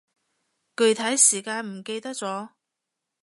具體時間唔記得咗